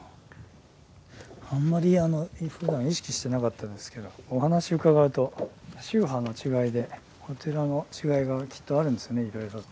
あんまりふだん意識してなかったんですけどお話伺うと宗派の違いでお寺の違いがきっとあるんですよねいろいろと。